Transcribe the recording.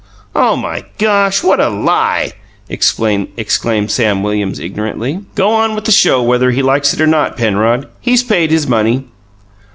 "Oh, my gosh, what a lie!" exclaimed Sam Williams ignorantly. "Go on with the show whether he likes it or not, Penrod. He's paid his money."